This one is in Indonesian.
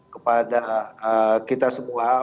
kepada kita semua